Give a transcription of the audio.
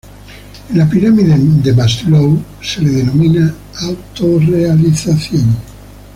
En la pirámide de Maslow se le denomina: Autorrealización.